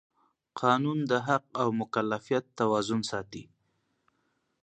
قانون د حق او مکلفیت توازن ساتي.